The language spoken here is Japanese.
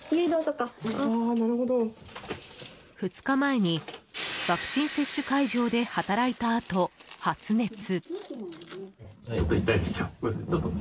２日前にワクチン接種会場で働いたあと、発熱。